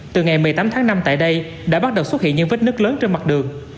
từ ngày một mươi tám tháng năm tại đây đã bắt đầu xuất hiện những vết nứt lớn trên mặt đường